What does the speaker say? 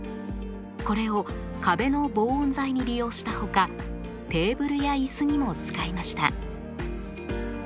これを壁の防音材に利用したほかテーブルやイスにも使いました。